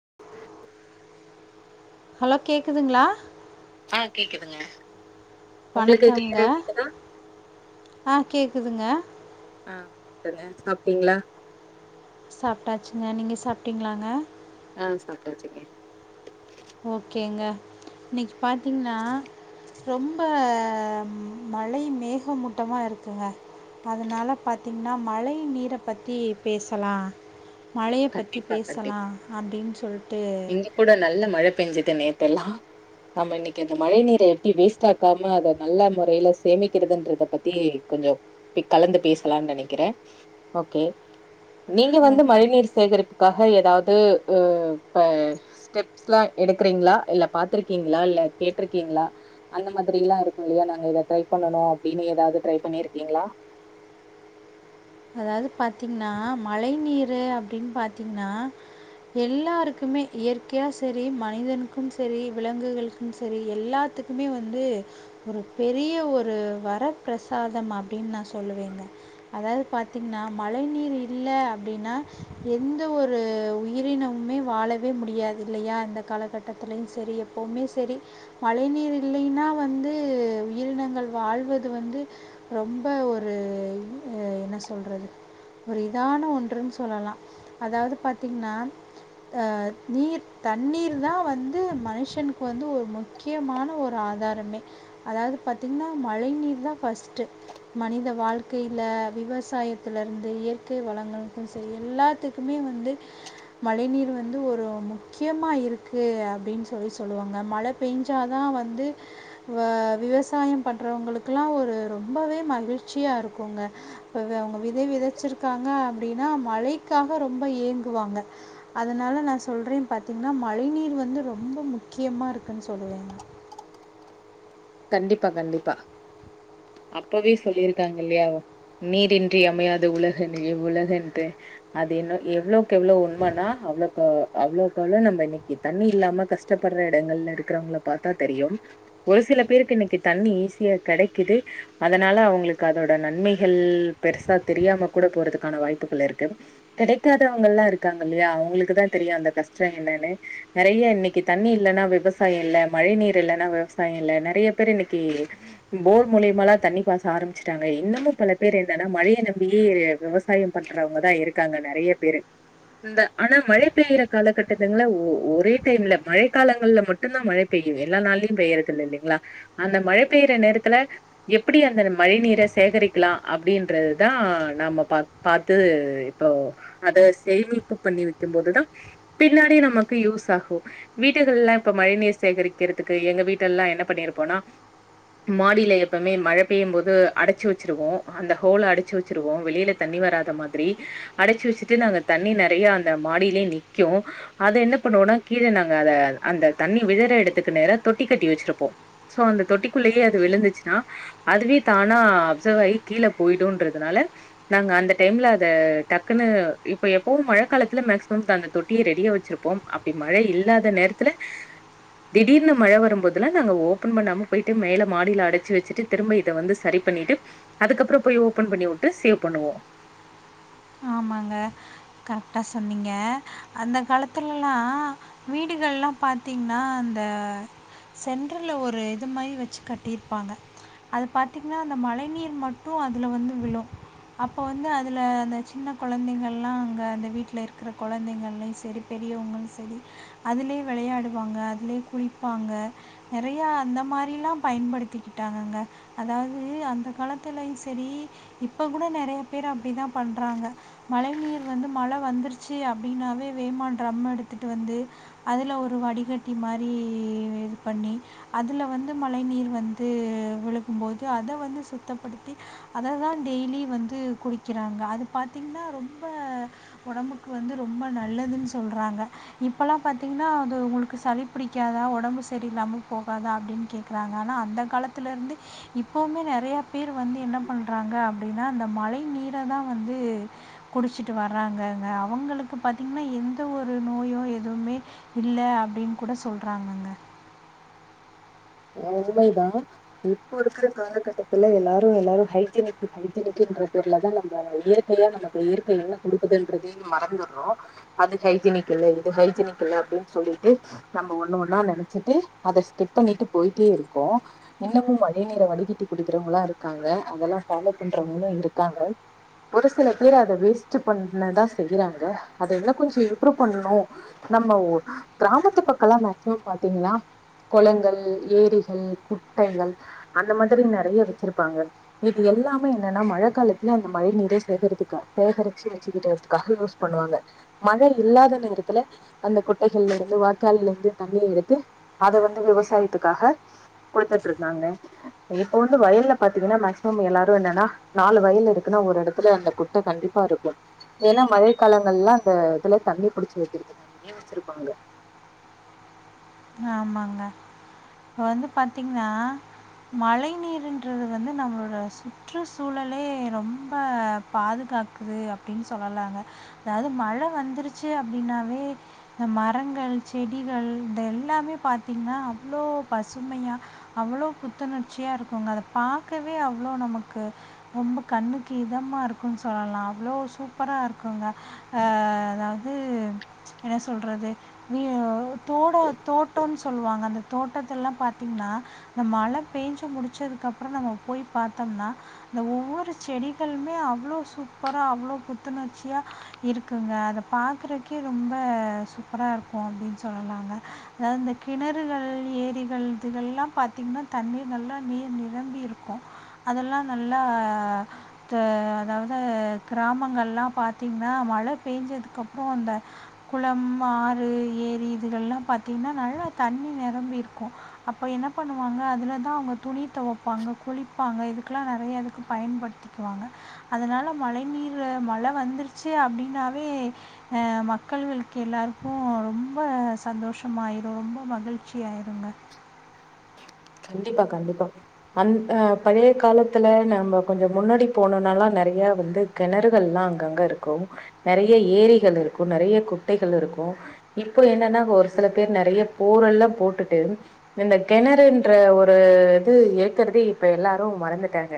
[unintelligible] hello கேக்குதுங்ளா ஆ கேக்குதுங்க உங்களுக்கு வணக்கம்ங்க கிளியரா கேக்குதா ஆ கேக்குதுங்க டுங்க சாப்டிங்ளா சாப்டாச்சுங்க நீங்க சாப்டிங்ளாங்க ஆ சாப்டாச்சுங்க இன்னக்கி பாத்தீங்கன்னா ரொம்ப மழை மேகமூட்டமா இருக்குங்க அதுனால பாத்தீங்கன்னா மழை நீர பத்தி பேசலாம் மழய பத்தி கண்டிப்பா கண்டிப்பா பேசலாம் அப்டின் சொல்லுட்டு பெஞ்சது நேத்து எல்லா நம்ம இன்னக்கி அந்த மழை நீரை எப்டி வேஸ்ட் ஆக்காம அத நல்ல முறைல சேமிக்கிறதுன்றத பத்தி கொஞ்ச கலந்து பேசலான் நினக்கிறேன் ஓகே நீங்க வந்து ஓகே மழை நீர் காக ஏதாவுது உ இப்ப ஸ்டெப்ஸ்லா எடுக்குறீங்ளா இல்ல பாத்திருக்கீங்ளா இல்ல கேட்டிருக்கீங்ளா அந்த மாதிரி எல்லாம் இருக்கும் இல்லயா நாங்க இத ட்ரை பண்ணனு அப்டின் ஏதாவது ட்ரை பண்ணிருக்கீங்களா அதாது பாத்தீங்கன்னா மழை நீரு அப்டின் பாத்தீங்கன்னா எல்லாருக்குமே இயற்கையா சரி மனிதனுக்கும் சரி விலங்குகளுக்கும் சரி எல்லாத்துக்குமே வந்து ஒரு பெரிய ஒரு வரப்பிரசாதம் அப்டின் நா சொ சொல்லுவேங்க அதாது பாதீங்கன்னா மழை நீர் இல்ல அப்பிடின்னா எந்த ஒரு உயிரினமுமே வாழவே முடியாது இல்லையா இந்த காலகட்டத்துலயும் சரி எப்பவுமே சரி மழை நீர் இல்லைனா வந்து உயிரினங்கள் வாழ்வது வந்து ரொம்ப ஒரு என்ன சொ சொல்ரது ஒரு இதான ஒன்றுன் சொல்லலாம் அதாது பாத்தீங்கன்னா ஆ நீர் தண்ணீர் தான் வந்து மனுஷனுக்கு வந்து ஒரு முக்கியமான ஒரு ஆதாரமே அதாது பாத்தீங்கன்னா மழை நீர் தான் பஸ்டு மனித வாழ்க்கைல விவசா விவசாயத்துல இருந்து இயற்கை வளங்கக்கும் சேரி எல்லாத்துக்குமே வந்து மழை நீர் வந்து ஒரு முக்கியமா இருக்கு அப்படின்னு சொல்லி சொல்லுவாங்க மழை பெஞ்சாதா வந்து ஆ விவசாயம் பண்றவங்களுக்கு எல்லா ஒரு ரொம்பவே மகிழ்ச்சியா இருக்குங்க இப்பவோ அவங்க விதை விதைச்சிருக்காங்க அப்படின்னா மழைக்காக ரொம்ப ஏங்குவாங்க அதனால நா சொல்றே பாத்தீங்கன்னா மழை நீர் வந்து ரொம்ப முக்கியமா இருக்குன்னு சொல்லுவேங்க கண்டிப்பா கண்டிப்பா அப்பவே சொல்லியிருக்காங்க இல்லையா நீரின்றி அமையாது உலகு உலகன்று அது இன்னு எவ்வள க்எவ்வளோ உண்மன்னா அவ்ளோக்கு அவ்வளவுக்கு அவ்ளோ நம்ம இன்னைக்கு தண்ணி இல்லாம கஷ்டப்படுற இடங்கள்ல இருக்கிறவங்கள பாத்தா தெரியும் ஒரு சில சில பேருக்கு இன்னைக்கு தண்ணி ஈஸியா கிடைக்குது அதனால அவங்களுக்கு அதோட நன்மைகள் பெருசா தெரியாம கூட போறதுக்கான வாய்ப்புகள் இருக்கு கிடைக்காதவங்கல்லா இருக்காங்க இல்லையா அவங்களுக்கு தா தெரியு அந்த கஷ்டம் என்னன்னு நெறைய இன்னைக்கு தண்ணி இல்லைன்னா விவசாய இல்ல மழை நீர் இல்லைன்னா விவசாய இல்லனு நெறைய பேர் இன்னைக்கு போர் மூலிமால தண்ணி பாச ஆரம்பிச்சட்டாங்க இன்னமும் பல பேர் என்னன்னா மழையை நம்பியே விவசாய பண்றவங்கதா இருக்காங்க நெறைய பேரு இந்த ஆனா மழை பெய்ற காலகட்டத்துங்கள ஒ ஒரே டைம்ல மழை காலங்கள்ல மட்டு தா மழை பெய்யும் எல்லா நாள்லயு பெய்யறது இல்ல இல்லைங்களா அந்த மழை பெய்ற நேரத்துல எப்படி அந்த மழை நீரை சேகரிக்கலா அப்படின்றதுதா நாம பாத் பாத்து இப்போ அத சேமிப்பு பண்ணி வைக்கும் போதுதா பின்னாடிே நமக்கு யூஸ் ஆகு வீட்டுகள் எல்லா இப்ப மழை நீீர் சேகரிக்கிறதுக்கு எங்க வீட்டு எல்லா என்ன பண்ணிரு போனா மாடியில எப்பவுமே மழை பெய்யும் போது அடைச்சு வச்சிருவோ அந்த ஹோல அடைச்சு வச்சிருவோ வெளியில தண்ணி வராத மாதிரி அடைச்சு வச்சுட்டு நாங்க தண்ணி நெறைய அந்த மாடியிலயே நிக்கு அத என்ன பண்ணுவோம்னா கீழே நாங்க அத அந்த தண்ணி விழுற எடத்துக்கு நேர தொட்டி கட்டி வச்சிருப்போ சோ அந்த தொட்டிக்குள்ளோ அதுவே விழுந்துச்சுன்னா அதுவே தானா அப்சர்வ் ஆகி கீழே போயிடும்ன்றதுனால நாங்க அந்த டைம்ல அத டக்குன்னு இப்ப எப்பவு மழை காலத்துல மேக்சிமம் அந்த தொட்டியை ரெடியா வச்சிருப்போ அப்படி மழை இல்லாத நேரத்துல திடீர்னு மழை வரும்போதுல்ல நாங்க ஒ ஓப்பன் பண்ணாம போயிட்டு மேல மாடியில அடைச்சு வச்சுட்டு திரும்ப இதை வந்து சேரி பண்ணிட்டு அதுக்கப்புறோ போய் ஓபன் பண்ணி விட்டு சேவ் பண்ணுவோ ஆமாங்க கரெக்டா சொன்னீங்க அந்த காலத்துலல்லா வீடுகள்லா பார்த்தீங்கன்னா அந்த சென்ட்ரல ஒரு இது மாரி வச்சு கட்டியிருப்பாங்க அது பார்த்தீங்கன்னா அந்த மழை நீர் மட்டு அதுல வந்து விழு அப்போ வந்து அதுல அந்த சின்ன குழந்தைங்கள்லா அங்க அந்த வீட்டல இருக்கிற கொழந்தைங்கள்லயும சேரி பெரியவங்களு சேரி அதுலயே விளையாடுவாங்க அதுலே குளிப்பாங்க நெறையா அந்த மாதிரிலா பயன்படுத்திக்கிட்டாங்க அங்க அதாவது அந்த காலத்துலயு சேரி இப்ப கூட நெறைய பேர் அப்படிதா பண் றாங்க மழை நீர் வந்து மழை வந்துருச்சு அப்படினாவே வேமா ட்ரம்ம எடுத்துகிட்டு வந்து அதில் ஒரு வடிகட்டி மாரி இது பண்ணி அதில் வந்து மழை நீர் வந்து விழுகும்போது அத வந்து சுத்தப்படுத்தி அத தா டெய்லி வந்து குடிக்கிறாங்க அது பாத்தீங்கன்னா ரொம்ப உடம்புக்கு வந்து ரொம்ப நல்லதுன்னு சொல்கிறாங்க இப்போலா பாத்தீங்கன்னா அது உங்களுக்கு சளி பிடிக்காதா உடம்பு சரியில்லாம போகாதா அப்படின்னு கேட்குறாங்க ஆனா அந்த காலத்துல இருந்து இப்பவுமே நெறையா பேர் வந்து என்ன பண்ணுறாங்க அப்படின்னா அந்த மழை நீரை தா வந்து குடிச்சுட்டு வர்றாங்க அவங்களுக்கு பாத்தீங்கன்னா எந்த ஒரு நோயும் எதுவுமே இல்ல அப்படின்னு கூட சொல்றாங்கங்க உண்மைதா இப்போ இருக்கிற காலகட்டத்துல எல்லாரு எல்லாரு ஹைஜனிக் ஹைஜனிகக்குன்ற பேர்லதா நம்ம இயற்கையா நமக்கு இயற்கை என்ன குடுக்குதுன்றதே மறந்துடுறோ அது ஹைஜனிக் இல்ல இது ஹைஜனிக் இல்ல அப்படின்னு சொல்லிட்டு நம்ம ஒண்ணு ஒன்னா நினைச்சிட்டு அத ஸ்கிப் பண்ணிட்டு போயிட்டே இருக்கோ இன்னமும் மழை நீரை வடிகட்டி குடிக்கிறவங்களா இருக்காங்க அதெல்லா ஃபாலோ பண்றவங்களு இருக்காங்க ஒரு சில பேர் அத வேஸ்ட் பண்ணதா செய்யறாங்க அதெல்லா கொஞ்ச இம்ப்ரூவ் பண்ணணு நம்ம கிராமத்து பக்கலாம் மேக்சிமம் பாார்த்தீங்கன்னா குளங்கள் ஏரிகள் குட்டைகள் அந்த மாதிரி நெறைய வச்சிருப்பாங்க இது எல்லாமே என்னன்னா மழைக்கலத்துல அந்த மழை நீர சேகரிக்க சேகரிச்சு வச்சுக்கட்டுதுக்காக யூஸ் பண்ணுவாங்க மழை இல்லாத நேரத்துல அந்த குட்டைகள்ல இருந்து வாய்க்கால்ல இருந்து தண்ணி எடுத்து அத வந்து விவசாய த்துக்காக கொடுத்துட்டு இருக்காங்க இப்ப வந்து வயல்ல பாத்தீங்கன்னா மேக்சிமம் எல்லாரு என்னன்னா நாலு வயல்ல இருக்குன்னா ஒரு இடத்துல அந்த குட்டை கண்டிப்பா இருக்கு ஏன்னா மழை காலங்கள்ல அந்த இதுல தண்ணி புடிச்சு வைக்கிறது [unintelligible] வச்சிருப்பாங்க ஆமாங்க இப்போ வந்து பாத்தீங்கன்னா மழை நீர்ன்றது வந்து நம்மளோட சுற்று சூழலே ரொம்ப பாதுகாக்குது அப்படின்னு சொல்லலாங்க அதாவது மழை வந்துருச்சு அப்படின்னாவே இந்த மரங்கள் செடிகள் இந்த எல்லாமே பார்த்தீங்கன்னா அவ்வளோ பசுமையாக அவ்வளோ புத்துணர்ச்சியா இருக்குங்க அத பார்க்கவே அவ்வளோ நமக்கு ரொம்ப கண்ணுக்கு இதமாக இருக்குன்னு சொல்லலா அவ்வளோ சூப்பராக இருக்குங்க ஆ அதாவது என்ன சொல்றது நீ தோட தோட்டம்ன்னு சொல்லுவாங்க அந்த தோட்டத்த எல்லா பார்த்தீங்கன்னா இந்த மழை பேஞ்சு முடிச்சதுக்கு அப்புறம் நம்ம போய் பார்த்தோம்னா இந்த ஒவ்வொரு செடிகளுமே அவ்வளோ சூப்பராக அவ்வளோ புத்துணர்ச்சியா இருக்குங்க அத பாார்க்குறதுக்கே ரொம்ப சூப்பராக இருக்கு அப்படின்னு சொல்லலாங்க அதாவது இந்த கிணறுகள் ஏரிகள் இதுக்கெல்லா பார்த்தீங்கன்னா தண்ணீர் நல்லா நீர் நிரம்பி இருக்கு அதெல்லா நல்லா அதாவது ஆ அதாவது கிராமங்கள்லா பார்த்தீங்கன்னா மழை பெயஞ்சதுக்கப்புறம் அந்த குளம் ஆறு ஏரி இது கல்லா பாத் பார்த்தீங்கன்னா நல்லா தண்ணி நிரம்பி இருக்கு அப்போ என்ன பண்ணுவாங்க அதில் தா அவங்க துணி துவைப்பாங்க குளிப்பாங்க இதுக்கெல்லா நெறையா இதுக்கு பயன்படுத்திக்குவாங்க அதனால மழை நீர் மழை வந்துருச்சு அப்படனாவே ஆ மக்களுக்கு எல்லாருக்கு ரொம்ப சந்தோஷ மா ஆயிரு ரொம்ப மகிழ்ச்சி ஆயிருங்க கண்டிப்பா கண்டிப்பா அந் அ பழைய காலத்துல நம்ம கொஞ்ச முன்னாடி போனோம்னல்லா நெறைய வந்து கிணறுகள் எல்லா அங்கங்க இருக்கு நெறைய ஏரிகள் இருக்கு நெறைய குட்டைகள் இருக்கு இப்போ என்னன்னா ஒரு சில பேர் நெறைய போரெல்லா போட்டுட்டு இந்த கிணறு என்ற ஒரு இது ஏக்கருக்கு இப்ப எல்லாரும் மறந்துட்டாங்க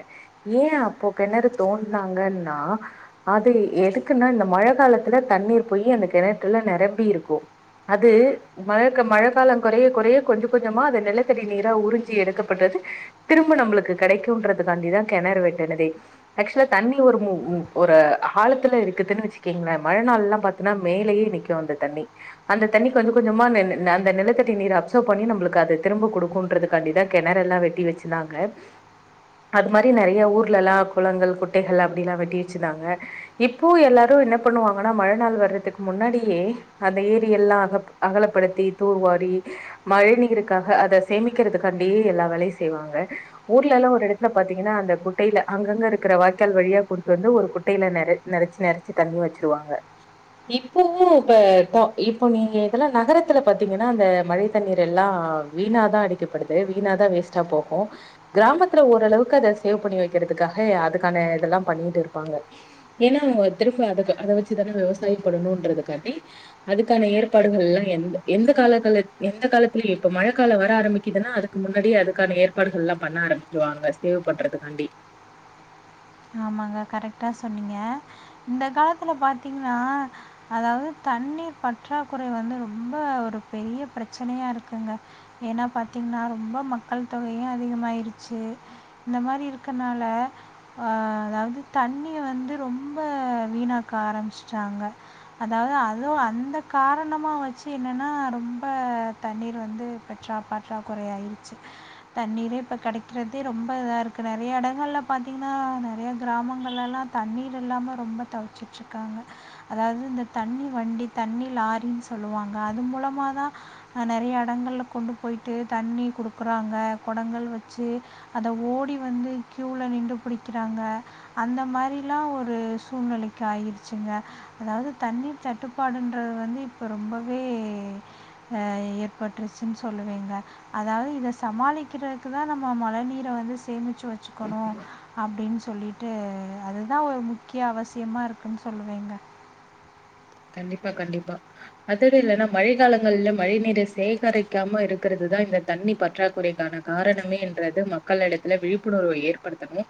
ஏ அப்போ கிணறு தோன்னாங்கன்னா அது எதுக்குன்னா இந்த மழை காலத்துல தண்ணீர் போய் அந்த கிணற்றுல நிரம்பி இருக்கு அது மழக்க மழை கால குறைய குறைய கொஞ்சோ கொஞ்சமா அது நிலத்தடி நீர உறிஞ்சி எடுக்கப்பட்டது திரும்ப நம்மளுக்கு கடைக்குன்றதுக்காண்டி தா கிணறு வெட்டனதே ஆக்சுவலா தண்ணி உ ஏ ஒரு ஆழத்துல இருக்குதுன்னு வச்சிங்கோங்களே மழைநாள் பார்த்தன மேலயே நிக்கு அந்த தண்ணி அந்த தண்ணி கொஞ்சோ கொஞ்சமா அந்த அந்த அந்த நிலத்தடி நீரை அப்சர்வ் பண்ணி நம்மக்கு அது திரும்பகுடு ன்றதுக்காண்டிதா கிணறு எல்லா வெட்டி வச்சந்தாங்க அது மாரி நெறைய ஊர்லல்லா குளங்கள் குட்டைகள் அப்படில்லா வெட்டி வச்சிருந்தாங்க இப்போ எல்லாரு என்ன பண்ணுவாங்கன்னா மழைநாள் வர்றதுக்கு முன்னாடியே அந்த ஏரியல்லா அகப் அகலப்படுத்தி தூர்வாரி மழை நீீருக்காக அத சேமிக்கிறதுக்காண்டி எல்லா வேலையு செய்வாங்க ஊர்ல எல்லா ஒரு இடத்துல பாத்தீங்கன்னா அந்த குட்டையில அங்கங்க இருக்கிற வாய்க்கால் வழியா கொண்டு வந்து ஒரு குட்டையில நெறச் நெறச்சி நெறச்சி தண்ணி வச்சிருவாங்க இப்பவு இப்ப [unintelligible] இப்ப நீங்க எல்லா நகரத்துல பாத்தீங்கன்னா அந்த மழை தண்ணீர் எல்லா வீணா தா அடிக்கப்படுது வீணா தா வேட்ஸ்டா தா போகு கிராமத்தில ஓரளவுக்கு அத சேவ் பண்ணி வைக்கிறதுகாக அதுக்காக இதலாபண்ணிட்டு இருப்பாங்க ஏன்னா திரும்ப அத வச்சு தானு விவசாயம் பண்ணணுன்றதுக்காண்டி அதுக்கான ஏற்பாடுகள்ல எத்த காலகல எந்த காலத்துல இப்ப மழை கால டா ஆரம்பிக்குதுன்னா அதுக்கு முன்னாடி அதுக்கான ஏற்பாடுகள் எல்லா பண்ண ஆரம்பிச்சிருவாங்க சேவ் பண்றதுக்காண்டி ஆமாங்க கரெக்ட்டா சொன்னீங்க இந்த காலத்துல பாார்த்தீங்கன்னா அதாவது தண்ணீர் பற்றாக்குறை வந்து ரொம்ப ஒரு பெரிய பிரச்சனையா இருக்குங்க ஏன்னா பார்த்தீங்கன்னா ரொம்ப மக்கள் தொகையு அதிகமாயிருச்சு இந்த மாரி இருக்கனால ஆ அதாவது தண்ணிய வந்து ரொம்ப வீணாக்க ஆரம்பமிச்சட்டாங்க அதாவது அதுவு அந்த காரணமாக வச்சு என்னென்னா ரொம்ப தண்ணீர் வந்து பெற்றா பற்றா குறைையாயிருச்சு தண்ணீரே இப்போ கிடைக்கிறதே ரொம்ப இதா இருக்குது நெறைய இடங்கள்ல பாத்தீங் ன்னா நெறைய கிராமங்கள்ல எல்லா தண்ணீர் இல்லாம ரொம்ப தவிச்சுட்டு இருக்காங்க அதாவது இந்த தண்ணி வண்டி அதாவது தண்ணி லாரினு சொல்லுவாங்க அது மூலமா தா அ நெறைய இடங்கள்ல கொண்டு போயிட்டு தண்ணி குடுக்குறாங்க குடங்கள் வச்சு அத ஓடி வந்து கியூல நின்று பிடிக்கிறாங்க அந்த மாரிலா ஒரு சூழ்நிலைக்கு ஆகிருச்சுங்க அதாவது தண்ணீர் தட்டுப்பாடுன்றது வந்து இப்போ ரொம்பவே ஆ ஏற்பட்டுருச்சுன்னு சொல்லுவேங்க அதாவது இத சமாளிக்கிறதுக்கு தா நம்ம மழை நீரை வந்து சேமிச்சு வச்சுக்கணு அப்படின்னு சொல்லிட்டு அதுதா ஒரு முக்கிய அவசியமா இருக்குன்னு சொல்லுவேங்க கண்டிப்பா கண்டிப்பா அதுடு இல்லன்னா மழைக்காலங்கள்ல மழைநீரை சேகரிக்காம இருக்கிறதுதா இந்த தண்ணி பற்றாக்குறைக்கான காரணமேன்றது மக்கள் இடத்துல விழிப்புணர்வை ஏற்படுத்தணு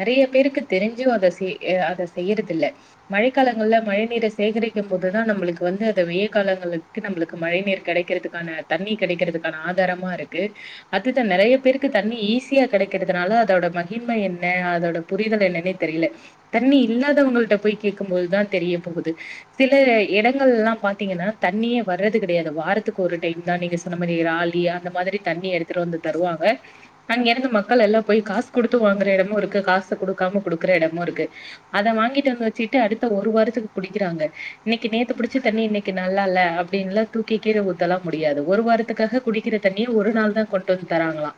நெறைய பேருக்கு தெரிஞ்சு அத செ அ அத செய்யறதில்ல மழைக்காலங்கள்ல மழைநீரை சேகரிக் க போதுதா நம்மளுக்கு வந்து அத வெயில் காலங்களுக்கு நம்மளுக்கு மழை நீீர் கிடைக்கிறதுக்கான தண்ணி கிடைக்கிறதுக்கான ஆதாரமா இருக்கு அதுதா நெறைய பேருக்கு தண்ணி ஈஸியா கிடைக்கிறதுனால அதோட மகிம என்ன அதோட புரிதல் என்னன்னே தெரியல தண்ணி இல்லாதவங்க கிட்ட போய் கேட்கும்போதுதா தெரிய போகுது சில இடங்கள் எல்லா பாார்த்தீங்கன்னா தண்ணியே வரது கிடையாது வாரத்துக்கு ஒரு டைம் தா நீங்க சொன்னமாரி ராலி அ அந்த மாதிரி தண்ணி எடுத்துட்டு வந்து தருவாங்க அங்க இருந்து மக்கள் எல்லா போய் காசு கொடுத்து வாங்குற இடமு இருக்கு காசு கொடுக்காம கொடுக்குற இடமு இருக்கு அத வாங்கிட்டு வந்து வச்சுட்டு அடுத்த ஒரு வாரத்துக்கு குடிக்கிறாங்க இன்னைக்கு நேத்த புடிச்ச தண்ணி இன்னைக்கு நல்லா இல்ல அப்படின்னுல்லா தூக்கி கீழ ஊத்தலா முடியாது ஒரு வாரத்துக்காக குடிக்கிற தண்ணிய ஒரு நாள் தா கொண்டு வந்து தராங்களா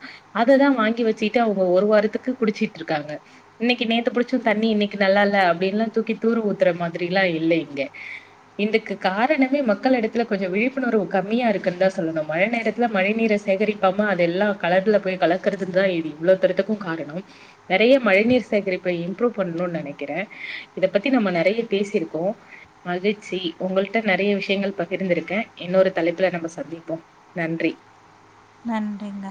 அததா வாங்கி வச்சுட்டு அவங்க ஒரு வாரத்துக்கு குடிச்சிட்டு இருக்காங்க இன்னைக்கு நேத்த புடிச்சு தண்ணி இன்னைக்கு நல்லா இல்ல அப்படின்ல்லா தூக்கி தூர ஊத்துற மாதிரில்லா இல்ல இங்க இதுக்கு காரணமே மக்கள் இடத்துல கொஞ்ச விழிப்புணர்வு கம்மியா இருக்குன்னு தா சொல்லணு மழை நேரத்துல மழை நீீர சேகரிப்பாம அது எல்லா கடல்ல போய் கலக்குறதுன்னுதா இது இவ்வள தூரத்துக்கு காரணம் நிறைய மழைநீர் சேகரிப்ப இம்ப்ரூவ் பண்ணணும்னு நனைக்கிறே இத பத்தி நம்ம நறையா பேசிருக்கோ மகிழ்ச்சி உங்கட்ட நறைய விஷயங்கள் பகிர்ந்திருக்கே இன்னொரு தலைப்புல நம்ம சந்திப்போ நன்றி நன்றிங்க